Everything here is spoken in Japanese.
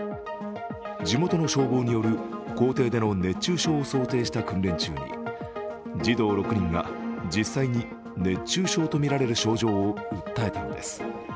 地元の消防による校庭での熱中症を想定した訓練中に児童６人が実際に熱中症とみられる症状を訴えたのです。